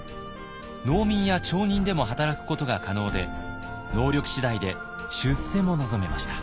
農民や町人でも働くことが可能で能力次第で出世も望めました。